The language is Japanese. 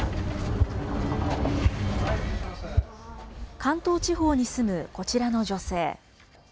関東地方に住むこちらの女性。